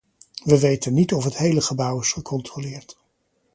We weten niet of het gehele gebouw is gecontroleerd.